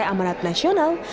dan pemerintah nasional